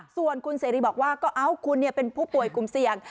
ส่วนคุณเสรีบอกว่าก็เอ้าคุณเป็นผู้ป่วยกลุ่มเสี่ยง